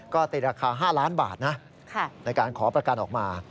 ก็ตีราคา๕ล้านบาทนะในการขอประกันออกมา